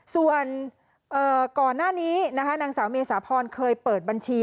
ส่วนก่อนหน้านี้นะคะนางสาวเมษาพรเคยเปิดบัญชี